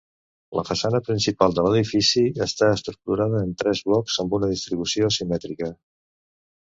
La façana principal de l'edifici està estructurada en tres blocs amb una distribució asimètrica.